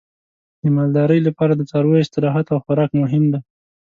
د مالدارۍ لپاره د څارویو استراحت او خوراک مهم دی.